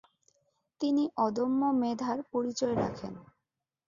তিনি অদম্য মেধার পরিচয় রাখেন।